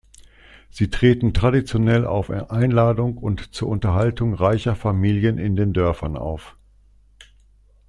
Sie treten traditionell auf Einladung und zur Unterhaltung reicher Familien in den Dörfern auf.